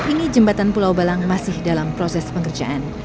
saat ini jembatan pulau balang masih dalam proses pekerjaan